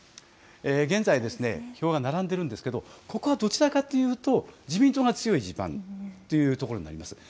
現在、票が並んでいるんですけれどもここはどちらかというと自民党が強い地盤ということになります。